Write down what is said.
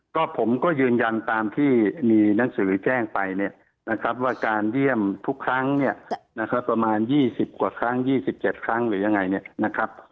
ก็ผมก็ยืนยันตามที่มีหนังสือแจ้งไปเนี่ยนะครับว่าการเยี่ยมทุกครั้งเนี่ยนะครับประมาณ๒๐กว่าครั้ง๒๗ครั้งหรือยังไงเนี่ยนะครับ